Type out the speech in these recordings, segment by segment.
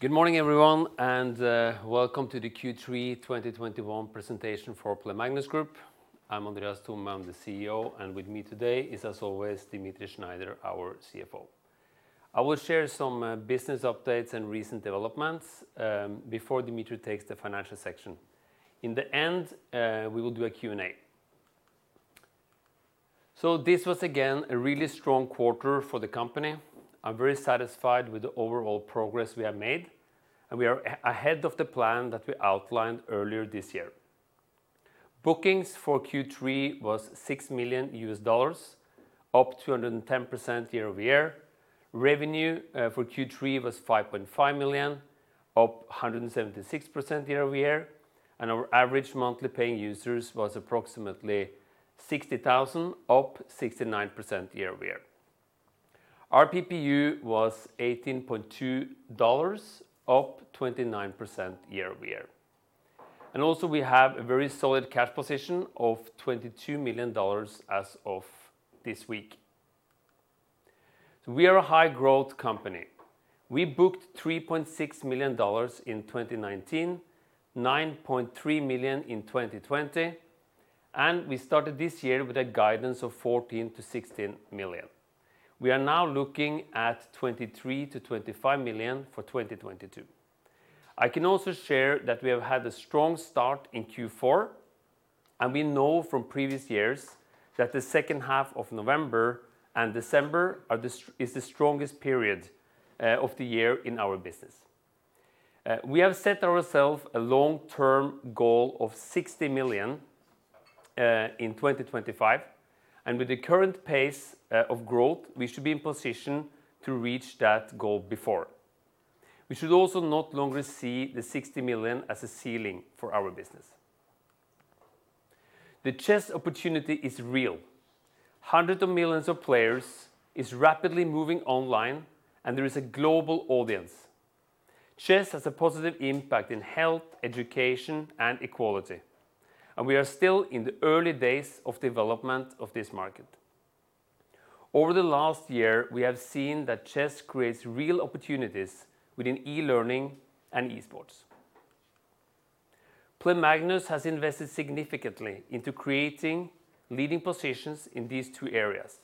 Good morning, everyone, and welcome to the Q3 2021 presentation for Play Magnus Group. I'm Andreas Thome, I'm the CEO, and with me today is, as always, Dmitri Schneider, our CFO. I will share some business updates and recent developments before Dmitri takes the financial section. In the end, we will do a Q&A. So this was again a really strong quarter for the company. I'm very satisfied with the overall progress we have made, and we are ahead of the plan that we outlined earlier this year. Bookings for Q3 was $6 million, up 210% year-over-year. Revenue for Q3 was $5.5 million, up 176% year-over-year, and our average monthly paying users was approximately 60,000, up 69% year-over-year. Our PPU was $18.2, up 29% year-over-year. And also we have a very solid cash position of $22 million as of this week. We are a high growth company. We booked $3.6 million in 2019, $9.3 million in 2020, and we started this year with a guidance of $14 million-$16 million. We are now looking at $23 million-$25 million for 2022. I can also share that we have had a strong start in Q4, and we know from previous years that the second half of November and December is the strongest period of the year in our business. We have set ourselves a long-term goal of $60 million in 2025, and with the current pace of growth, we should be in position to reach that goal before. We should also no longer see the 60 million as a ceiling for our business. The chess opportunity is real. Hundreds of millions of players are rapidly moving online and there is a global audience. Chess has a positive impact in health, education, and equality, and we are still in the early days of development of this market. Over the last year, we have seen that chess creates real opportunities within e-learning and e-sports. Play Magnus has invested significantly into creating leading positions in these two areas.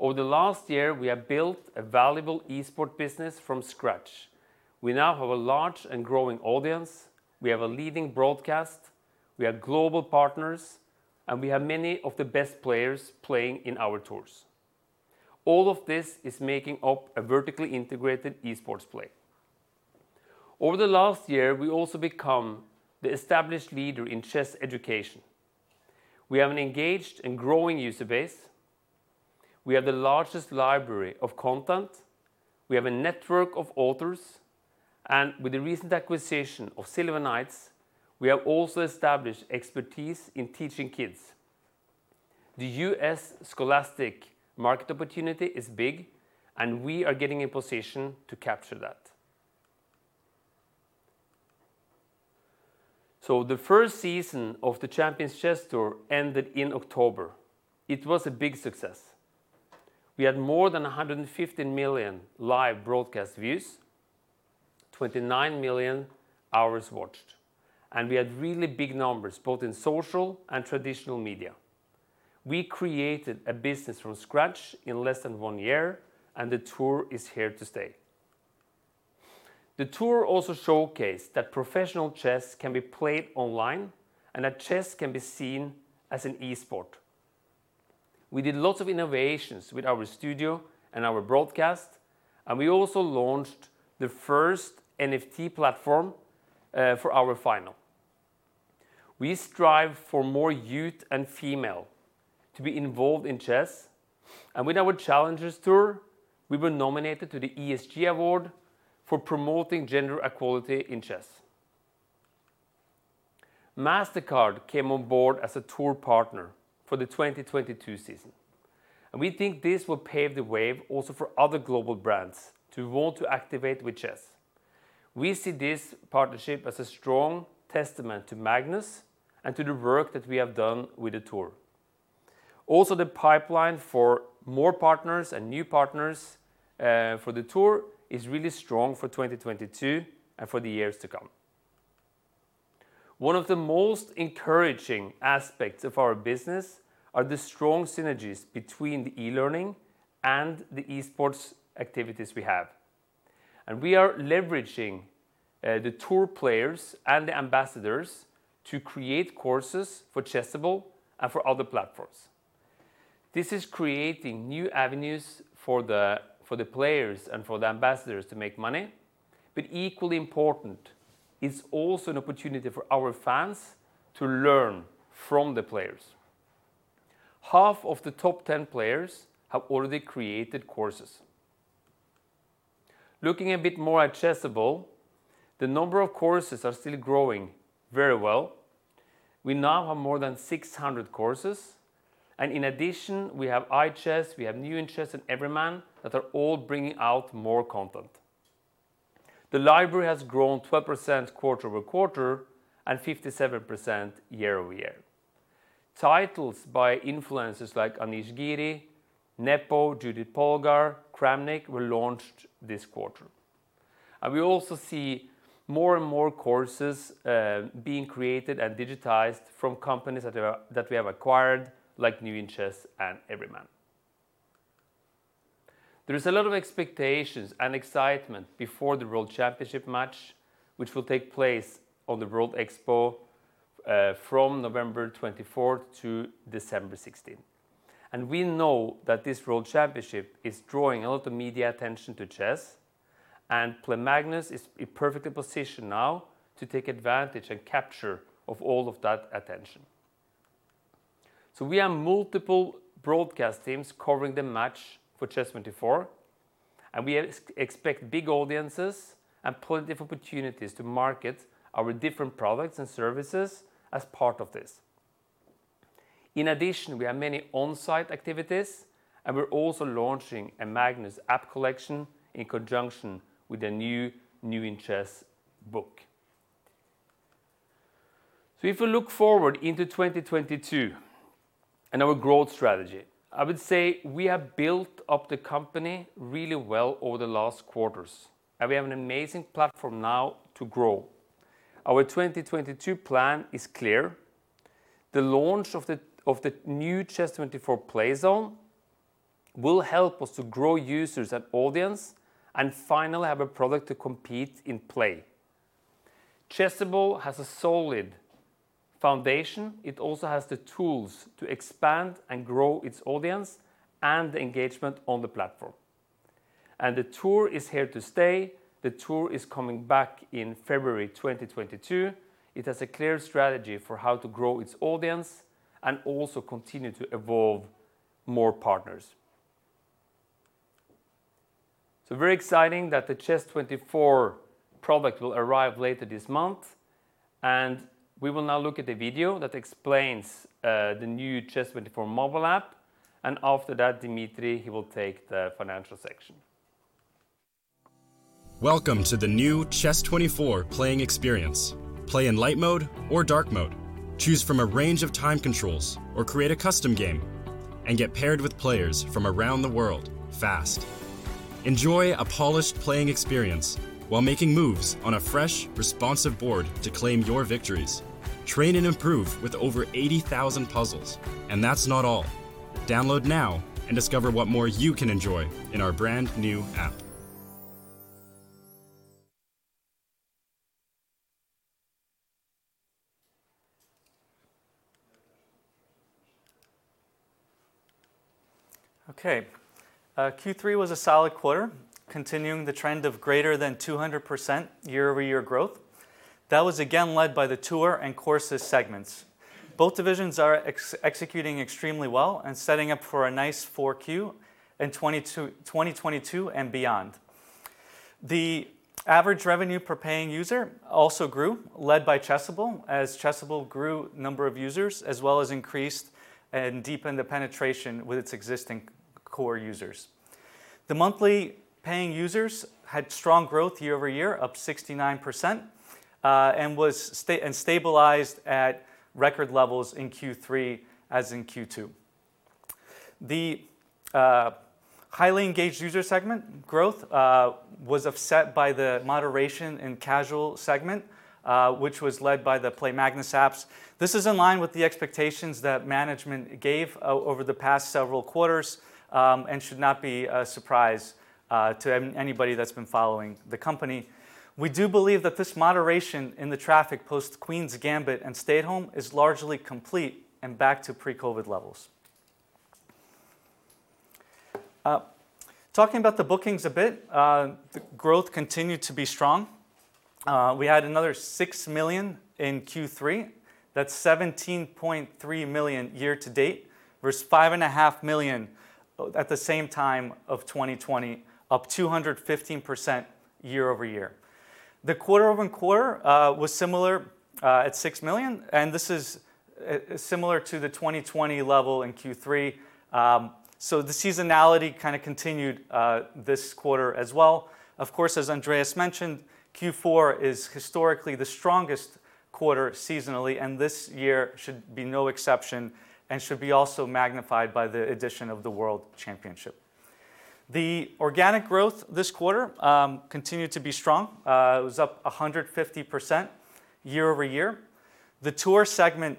Over the last year, we have built a valuable e-sports business from scratch. We now have a large and growing audience, we have a leading broadcast, we have global partners, and we have many of the best players playing in our tours. All of this is making up a vertically integrated e-sports play. Over the last year, we also become the established leader in chess education. We have an engaged and growing user base, we have the largest library of content, we have a network of authors, and with the recent acquisition of Silver Knights, we have also established expertise in teaching kids. The U.S. scholastic market opportunity is big, and we are getting in position to capture that. So the first season of the Champions Chess Tour ended in October. It was a big success. We had more than 115 million live broadcast views, 29 million hours watched, and we had really big numbers, both in social and traditional media. We created a business from scratch in less than one year, and the tour is here to stay. The tour also showcased that professional chess can be played online and that chess can be seen as an e-sport. We did lots of innovations with our studio and our broadcast, and we also launched the first NFT platform for our final. We strive for more youth and female to be involved in chess, and with our Challengers Tour, we were nominated to the ESG Award for promoting gender equality in chess. Mastercard came on board as a tour partner for the 2022 season. We think this will pave the way also for other global brands to want to activate with chess. We see this partnership as a strong testament to Magnus and to the work that we have done with the tour. Also, the pipeline for more partners and new partners for the tour is really strong for 2022 and for the years to come. One of the most encouraging aspects of our business are the strong synergies between the e-learning and the e-sports activities we have. And we are leveraging the tour players and the ambassadors to create courses for Chessable and for other platforms. This is creating new avenues for the players and for the ambassadors to make money, but equally important, it's also an opportunity for our fans to learn from the players. Half of the top 10 players have already created courses. Looking a bit more at Chessable, the number of courses are still growing very well. We now have more than 600 courses, and in addition, we have iChess, we have New In Chess and Everyman Chess that are all bringing out more content. The library has grown 12% quarter-over-quarter and 57% year-over-year. Titles by influencers like Anish Giri, Nepo, Judit Polgár, Kramnik were launched this quarter. And we also see more and more courses being created and digitized from companies that we have acquired, like New In Chess and Everyman. There is a lot of expectations and excitement before the World Championship match, which will take place on the World Expo, from November 24th to December 16th. And we know that this World Championship is drawing a lot of media attention to chess, and Play Magnus is perfectly positioned now to take advantage of and capture all of that attention. So we have multiple broadcast teams covering the match for Chess24, and we expect big audiences and plenty of opportunities to market our different products and services as part of this. In addition, we have many on-site activities, and we're also launching a Play Magnus app collection in conjunction with the new New In Chess book. If we look forward into 2022 and our growth strategy, I would say we have built up the company really well over the last quarters, and we have an amazing platform now to grow. Our 2022 plan is clear. The launch of the new Chess24 Play Zone will help us to grow users and audience, and finally have a product to compete in play. Chessable has a solid foundation. It also has the tools to expand and grow its audience and the engagement on the platform. And the tour is here to stay. The tour is coming back in February 2022. It has a clear strategy for how to grow its audience and also continue to evolve more partners. So very exciting that the Chess24 product will arrive later this month, and we will now look at the video that explains the new Chess24 mobile app. After that, Dmitri, he will take the financial section. Welcome to the new Chess24 playing experience. Play in light mode or dark mode. Choose from a range of time controls or create a custom game and get paired with players from around the world fast. Enjoy a polished playing experience while making moves on a fresh, responsive board to claim your victories. Train and improve with over 80,000 puzzles. And that's not all. Download now and discover what more you can enjoy in our brand-new app. Okay. Q3 was a solid quarter, continuing the trend of greater than 200% year-over-year growth. That was again led by the tour and courses segments. Both divisions are executing extremely well and setting up for a nice 4Q in 2022 and beyond. The average revenue per paying user also grew, led by Chessable, as Chessable grew number of users, as well as increased and deepened the penetration with its existing core users. The monthly paying users had strong growth year over year, up 69%, and stabilized at record levels in Q3 as in Q2. The highly engaged user segment growth was offset by the moderation in casual segment, which was led by the Play Magnus apps. This is in line with the expectations that management gave over the past several quarters, and should not be a surprise to anybody that's been following the company. We do believe that this moderation in the traffic post Queen's Gambit and stay-at-home is largely complete and back to pre-COVID levels. Talking about the bookings a bit, the growth continued to be strong. We had another $6 million in Q3. That's $17.3 million year to date versus $5.5 million at the same time of 2020, up 215% year-over-year. The quarter-over-quarter was similar at $6 million, and this is similar to the 2020 level in Q3. So the seasonality kind of continued this quarter as well. Of course, as Andreas mentioned, Q4 is historically the strongest quarter seasonally, and this year should be no exception and should be also magnified by the addition of the World Championship. The organic growth this quarter continued to be strong. It was up 150% year-over-year. The tour segment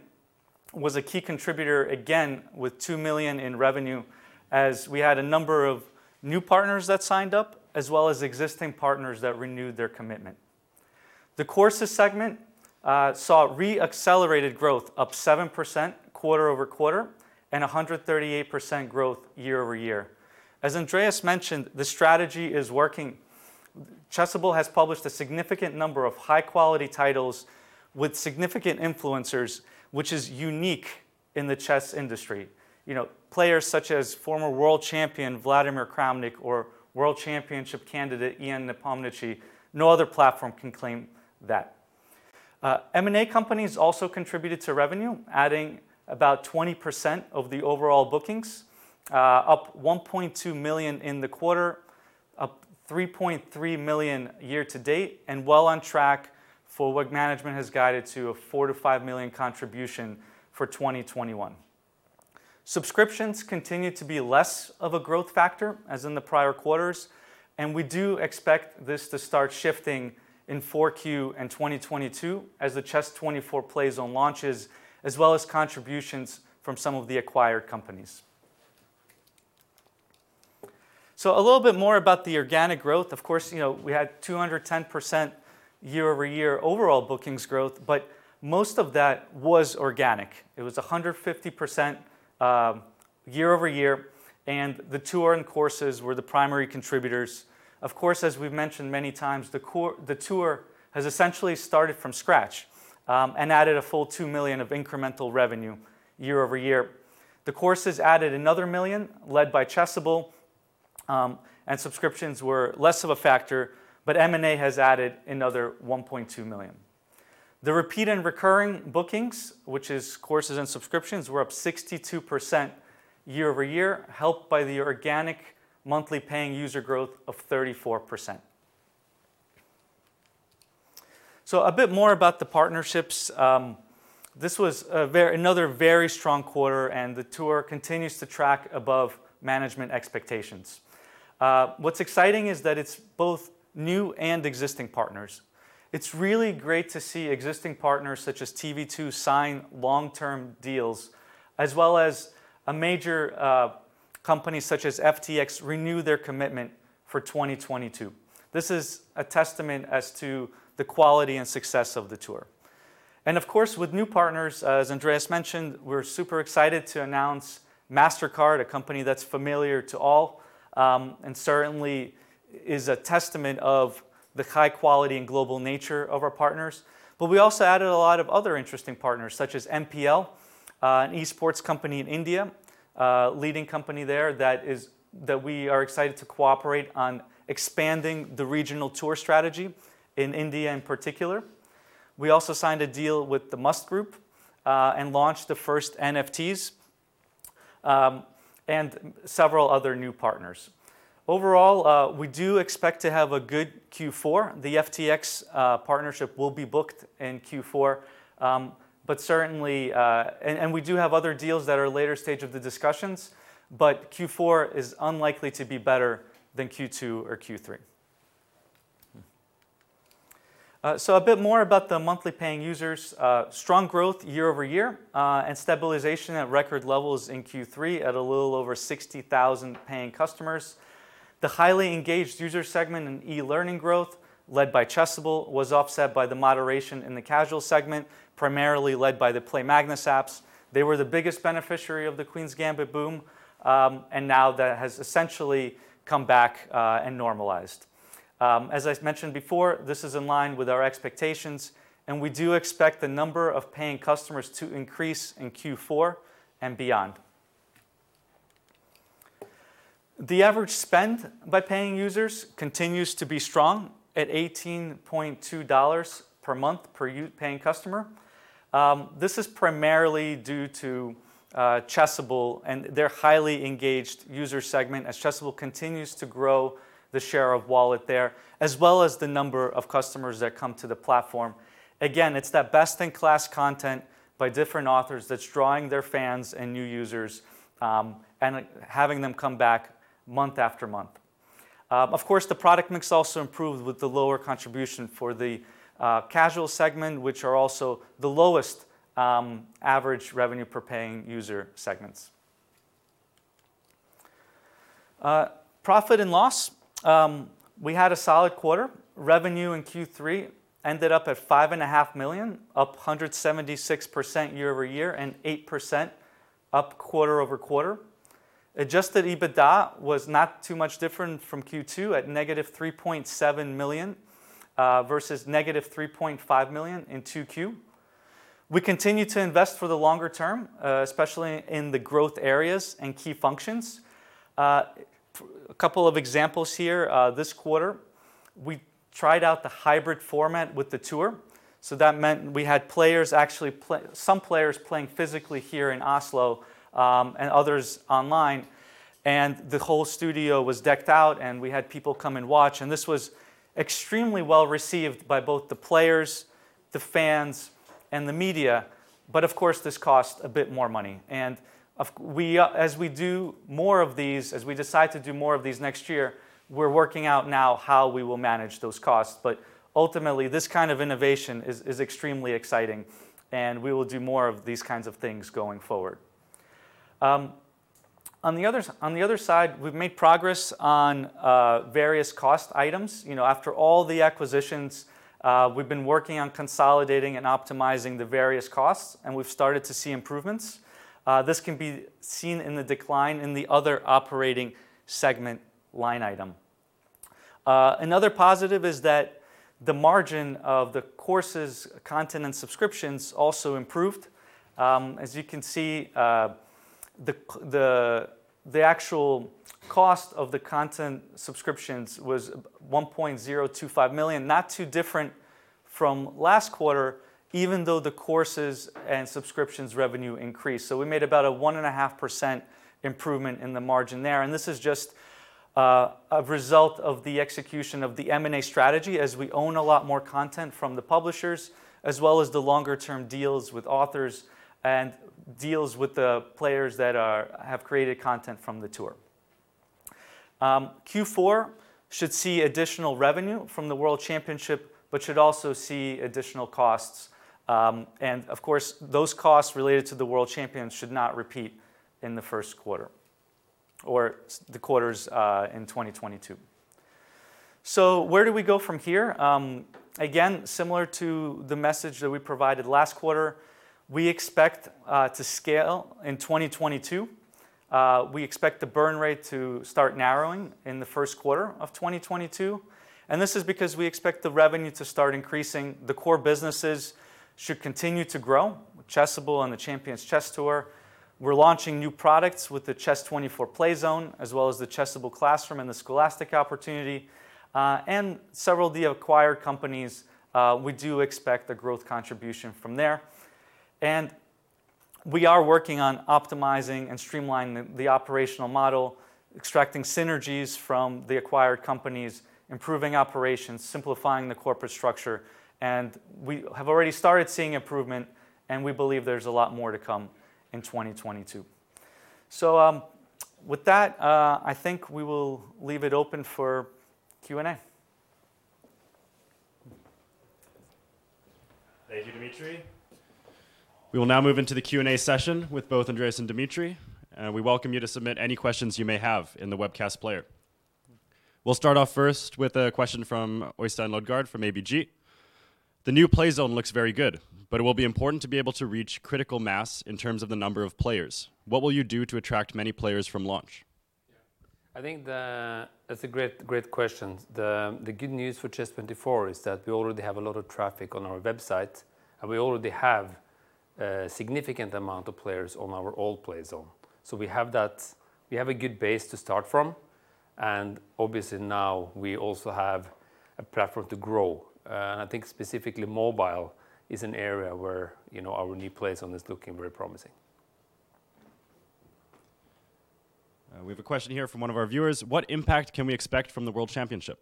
was a key contributor again with $2 million in revenue, as we had a number of new partners that signed up, as well as existing partners that renewed their commitment. The courses segment saw re-accelerated growth, up 7% quarter-over-quarter and 138% growth year-over-year. As Andreas mentioned, the strategy is working. Chessable has published a significant number of high-quality titles with significant influencers, which is unique in the chess industry. You know, players such as former world champion Vladimir Kramnik or World Chess Championship candidate Ian Nepomniachtchi, no other platform can claim that. M&A companies also contributed to revenue, adding about 20% of the overall bookings, up $1.2 million in the quarter, up $3.3 million year to date, and well on track for what management has guided to a $4 million-$5 million contribution for 2021. Subscriptions continue to be less of a growth factor as in the prior quarters, and we do expect this to start shifting in 4Q and 2022 as the Chess24 Play Zone launches, as well as contributions from some of the acquired companies. So a little bit more about the organic growth. Of course, you know, we had 200% year-over-year overall bookings growth, but most of that was organic. It was 150%, year-over-year, and the tour and courses were the primary contributors. Of course, as we've mentioned many times, the tour has essentially started from scratch, and added a full $2 million of incremental revenue year-over-year. The courses added another million, led by Chessable, and subscriptions were less of a factor, but M&A has added another $1.2 million. The repeat and recurring bookings, which is courses and subscriptions, were up 62% year-over-year, helped by the organic monthly paying user growth of 34%. A bit more about the partnerships. This was another very strong quarter, and the tour continues to track above management expectations. What's exciting is that it's both new and existing partners. It's really great to see existing partners such as TV 2 sign long-term deals, as well as a major company such as FTX renew their commitment for 2022. This is a testament to the quality and success of the tour. Of course, with new partners, as Andreas mentioned, we're super excited to announce Mastercard, a company that's familiar to all, and certainly is a testament to the high quality and global nature of our partners. But we also added a lot of other interesting partners, such as MPL, an esports company in India, leading company there that we are excited to cooperate on expanding the regional tour strategy in India in particular. We also signed a deal with the MUST Group, and launched the first NFTs, and several other new partners. Overall, we do expect to have a good Q4. The FTX partnership will be booked in Q4, but certainly, and we do have other deals that are later stage of the discussions, but Q4 is unlikely to be better than Q2 or Q3. So a bit more about the monthly paying users. Strong growth year-over-year, and stabilization at record levels in Q3 at a little over 60,000 paying customers. The highly engaged user segment in e-learning growth, led by Chessable, was offset by the moderation in the casual segment, primarily led by the Play Magnus apps. They were the biggest beneficiary of The Queen's Gambit boom, and now that has essentially come back, and normalized. As I mentioned before, this is in line with our expectations, and we do expect the number of paying customers to increase in Q4 and beyond. The average spend by paying users continues to be strong at $18.2 per month per paying customer. This is primarily due to Chessable and their highly engaged user segment as Chessable continues to grow the share of wallet there, as well as the number of customers that come to the platform. Again, it's that best-in-class content by different authors that's drawing their fans and new users, and having them come back month after month. Of course, the product mix also improved with the lower contribution for the casual segment, which are also the lowest average revenue per paying user segments. Profit and loss. We had a solid quarter. Revenue in Q3 ended up at $5.5 million, up 176% year-over-year and 8% quarter-over-quarter. Adjusted EBITDA was not too much different from Q2 at negative $3.7 million versus negative $3.5 million in 2Q. We continue to invest for the longer term, especially in the growth areas and key functions. A couple of examples here. This quarter, we tried out the hybrid format with the tour. So that meant we had players actually some players playing physically here in Oslo, and others online. And the whole studio was decked out, and we had people come and watch. And this was extremely well-received by both the players, the fans, and the media. But of course, this cost a bit more money. And we, as we do more of these, as we decide to do more of these next year, we're working out now how we will manage those costs. But ultimately, this kind of innovation is extremely exciting, and we will do more of these kinds of things going forward. On the other side, we've made progress on various cost items. You know, after all the acquisitions, we've been working on consolidating and optimizing the various costs, and we've started to see improvements. This can be seen in the decline in the other operating segment line item. Another positive is that the margin of the courses, content, and subscriptions also improved. As you can see, the, the actual cost of the content subscriptions was $1.025 million. Not too different from last quarter, even though the courses and subscriptions revenue increased. So we made about a 1.5% improvement in the margin there, and this is just a result of the execution of the M&A strategy as we own a lot more content from the publishers, as well as the longer term deals with authors and deals with the players that have created content from the tour. Q4 should see additional revenue from the World Championship, but should also see additional costs. And of course, those costs related to the World Championship should not repeat in the Q1 or the quarters in 2022. So where do we go from here? Again, similar to the message that we provided last quarter, we expect to scale in 2022. We expect the burn rate to start narrowing in the Q1 of 2022, and this is because we expect the revenue to start increasing. The core businesses should continue to grow with Chessable and the Champions Chess Tour. We're launching new products with the Chess24 Play Zone, as well as the Chessable Classroom and the scholastic opportunity. And several of the acquired companies, we do expect a growth contribution from there. And we are working on optimizing and streamlining the operational model, extracting synergies from the acquired companies, improving operations, simplifying the corporate structure, and we have already started seeing improvement, and we believe there's a lot more to come in 2022. So with that, I think we will leave it open for Q&A. Thank you, Dmitri. We will now move into the Q&A session with both Andreas and Dmitri, and we welcome you to submit any questions you may have in the webcast player. We'll start off first with a question from Øystein Lodgaard from ABG. The new Play Zone looks very good, but it will be important to be able to reach critical mass in terms of the number of players. What will you do to attract many players from launch? Yeah, I think that's a great, great question. The good news for Chess24 is that we already have a lot of traffic on our website, and we already have a significant amount of players on our old Play Zone. So we have that. We have a good base to start from, and obviously now we also have a platform to grow. I think specifically mobile is an area where, you know, our new Play Zone is looking very promising. We have a question here from one of our viewers. What impact can we expect from the World Championship?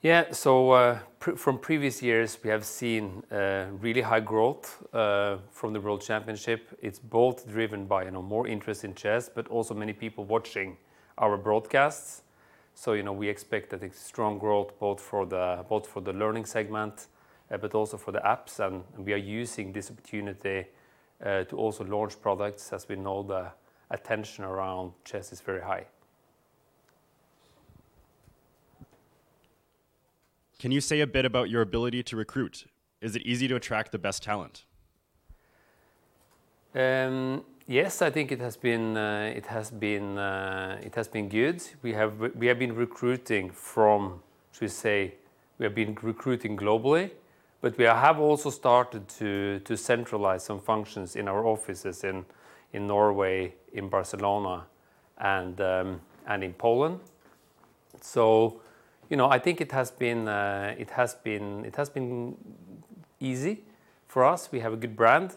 Yeah, so. From previous years, we have seen really high growth from the World Championship. It's both driven by, you know, more interest in chess, but also many people watching our broadcasts. So, you know, we expect a strong growth both for the learning segment, but also for the apps, and we are using this opportunity to also launch products, as we know the attention around chess is very high. Can you say a bit about your ability to recruit? Is it easy to attract the best talent? Yes, I think it has, it has been been, it has been good. We have been recruiting from to say, we have been recruiting globally, but we have also started to centralize some functions in our offices in Norway, in Barcelona, and in Poland. So, you know, I think it has been, it has been, it has been easy for us. We have a good brand,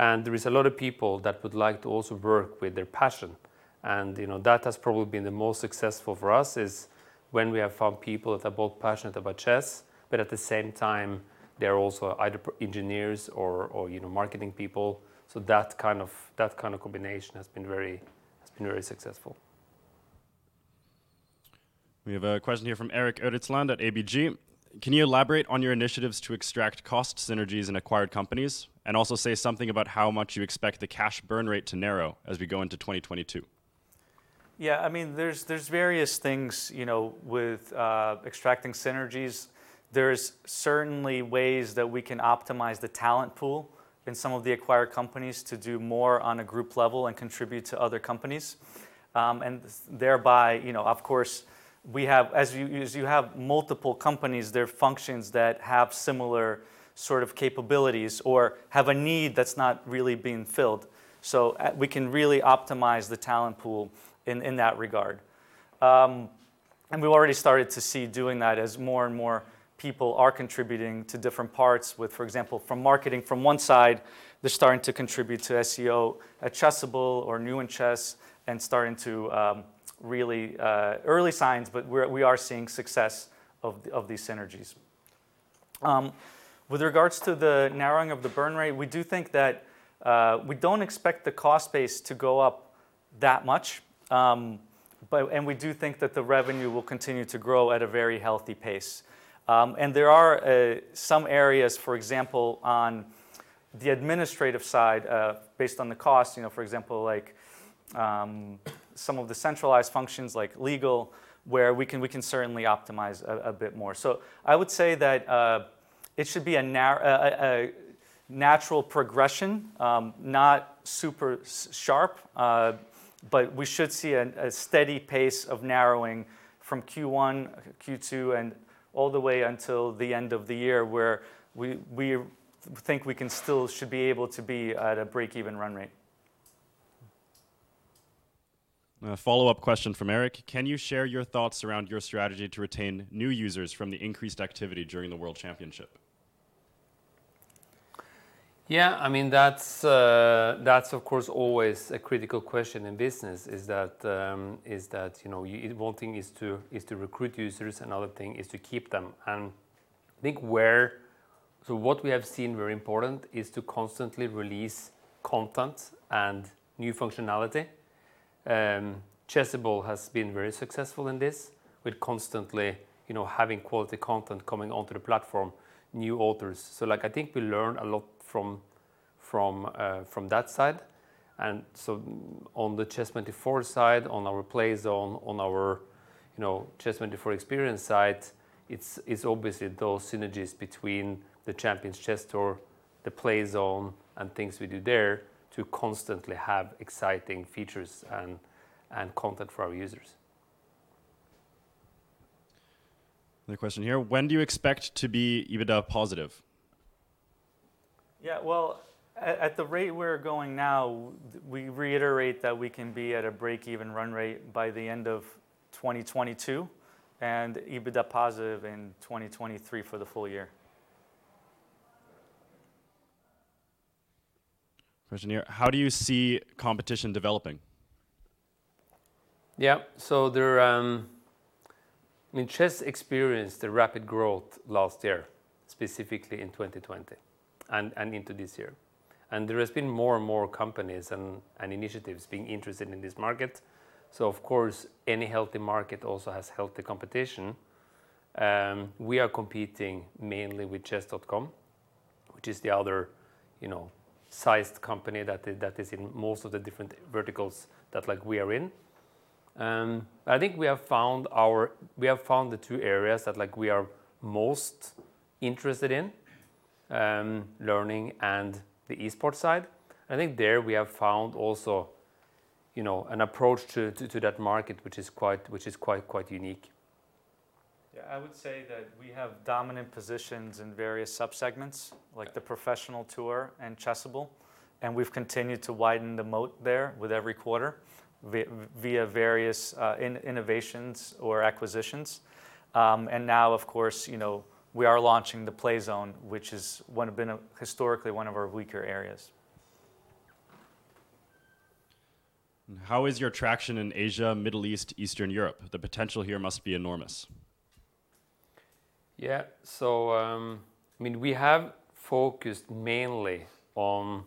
and there is a lot of people that would like to also work with their passion. And you know, that has probably been the most successful for us, is when we have found people that are both passionate about chess, but at the same time, they're also either engineers or marketing people. So that kind of combination has been very successful. We have a question here from Eirik Eritsland at ABG. Can you elaborate on your initiatives to extract cost synergies in acquired companies and also say something about how much you expect the cash burn rate to narrow as we go into 2022? Yeah. I mean, there's various things, you know, with extracting synergies. There's certainly ways that we can optimize the talent pool in some of the acquired companies to do more on a group level and contribute to other companies. And thereby, you know, of course, we have as you have multiple companies, there are functions that have similar sort of capabilities or have a need that's not really being filled. We can really optimize the talent pool in that regard. And we've already started to see doing that as more and more people are contributing to different parts with, for example, from marketing one side, they're starting to contribute to SEO at Chessable or New In Chess and starting to really early signs, but we are seeing success of, of these synergies. With regards to the narrowing of the burn rate, we do think that we don't expect the cost base to go up that much. And we do think that the revenue will continue to grow at a very healthy pace. And there are some areas, for example, on the administrative side, based on the cost, you know, for example, like, some of the centralized functions like legal, where we can certainly optimize a bit more. So I would say that it should be a natural progression, not super sharp, but we should see a steady pace of narrowing from Q1, Q2, and all the way until the end of the year, where we think we can still should be able to be at a break-even run rate. A follow-up question from Eirik: Can you share your thoughts around your strategy to retain new users from the increased activity during the World Championship? Yeah, I mean, that's, that's of course always a critical question in business, is that, you know, one thing is to recruit users, another thing is to keep them. I think what we have seen very important is to constantly release content and new functionality. And Chessable has been very successful in this with constantly, you know, having quality content coming onto the platform, new authors. So like, I think we learn a lot from that side. And so on the Chess24 side, on our Play Zone, on our, you know, Chess24 Experience side, it's obviously those synergies between the Champions Chess Tour, the Play Zone, and things we do there to constantly have exciting features and content for our users. Another question here: When do you expect to be EBITDA positive? Yeah. Well, at the rate we're going now, we reiterate that we can be at a break-even run rate by the end of 2022, and EBITDA positive in 2023 for the full year. Question here: How do you see competition developing? Yeah, so there are... Chess experienced a rapid growth last year, specifically in 2020, and into this year, and there has been more and more companies and initiatives being interested in this market. So of course, any healthy market also has healthy competition. And we are competing mainly with Chess.com, which is the other sized company that is in most of the different verticals that, like, we are in. And I think we have found the two areas that, like, we are most interested in, learning and the e-sport side. I think there we have found also an approach to that market which is quite unique. Yeah. I would say that we have dominant positions in various subsegments. Yeah... like the professional tour and Chessable, and we've continued to widen the moat there with every quarter via various innovations or acquisitions. And now, of course, you know, we are launching the Play Zone, which has been, historically, one of our weaker areas. How is your traction in Asia, Middle East, Eastern Europe? The potential here must be enormous. Yeah, so. I mean, we have focused mainly on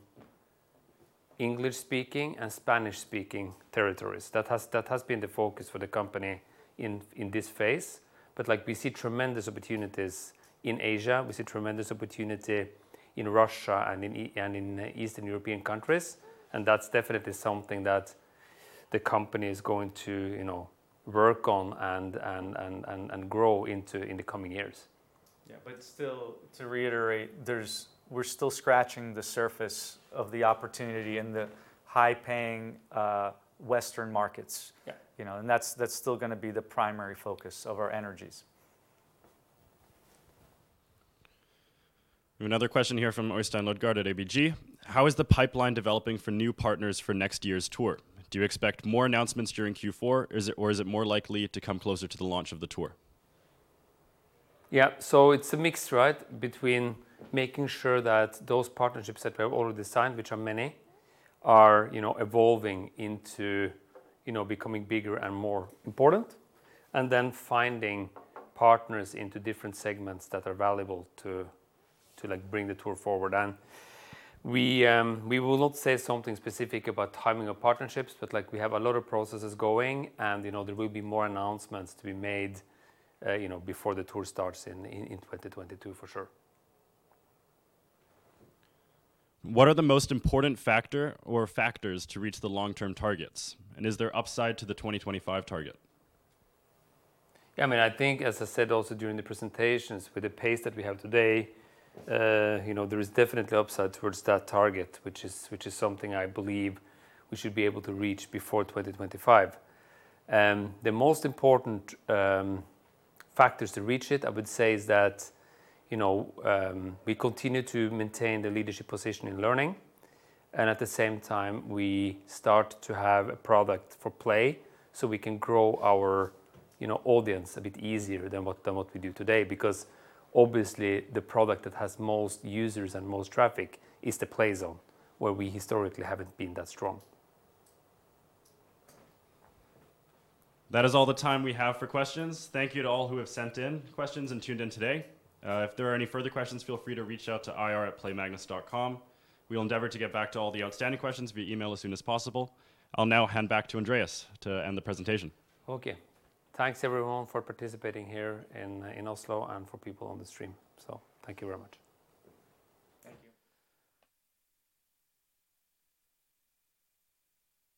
English-speaking and Spanish-speaking territories. That has, that has been the focus for the company in this phase. Like, we see tremendous opportunities in Asia, we see tremendous opportunity in Russia and in Eastern European countries, and that's definitely something that the company is going to, you know, work on and grow into in the coming years. But still, to reiterate, we're still scratching the surface of the opportunity in the high-paying Western markets. Yeah. You know? That's still gonna be the primary focus of our energies. We have another question here from Øystein Lodgaard at ABG. How is the pipeline developing for new partners for next year's tour? Do you expect more announcements during Q4, or is it more likely to come closer to the launch of the tour? Yeah. So it's a mix, right, between making sure that those partnerships that we have already signed, which are many, are, you know, evolving into, you know, becoming bigger and more important, and then finding partners into different segments that are valuable to, like, bring the tour forward. We, we will not say something specific about timing of partnerships, but, like, we have a lot of processes going and, you know, there will be more announcements to be made, before the tour starts in 2022, for sure. What are the most important factor or factors to reach the long-term targets, and is there upside to the 2025 target? Yeah, I mean, I think, as I said also during the presentations, with the pace that we have today, you know, there is definitely upside towards that target, which is, which is something I believe we should be able to reach before 2025. And yhe most important factors to reach it, I would say is that, you know, we continue to maintain the leadership position in learning and, at the same time, we start to have a product for play so we can grow our, you know, audience a bit easier than what we do today. Because obviously, the product that has most users and most traffic is the Play Zone, where we historically haven't been that strong. That is all the time we have for questions. Thank you to all who have sent in questions and tuned in today. If there are any further questions, feel free to reach out to ir@playmagnus.com. We'll endeavor to get back to all the outstanding questions via email as soon as possible. I'll now hand back to Andreas to end the presentation. Okay. Thanks, everyone, for participating here in Oslo and for people on the stream. So, thank you very much. Thank you.